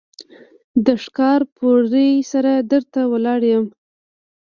د ښکارپورۍ سره در ته ولاړ يم.